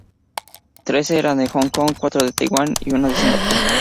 Trece eran de Hong Kong, cuatro de Taiwán y uno de Singapur.